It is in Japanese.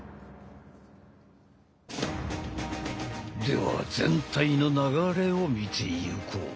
では全体の流れを見ていこう。